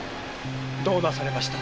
・どうなされました？